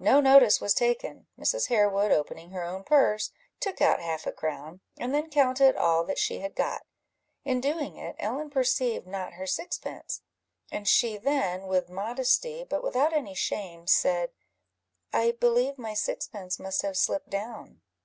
No notice was taken. Mrs. Harewood opening her own purse, took out half a crown, and then counted all that she had got. In doing it, Ellen perceived not her sixpence, and she then, with modesty, but without any shame, said "I believe my sixpence must have slipped down."